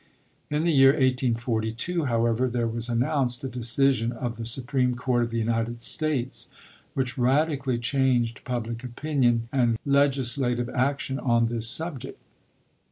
In the year 1842, however, there was announced a decision of the Supreme Court of the United States which radically changed public opin ion and legislative action on this subject.